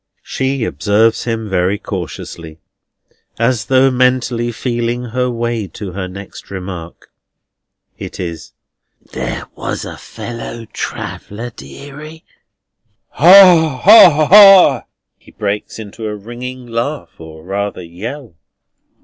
She observes him very cautiously, as though mentally feeling her way to her next remark. It is: "There was a fellow traveller, deary." "Ha, ha, ha!" He breaks into a ringing laugh, or rather yell.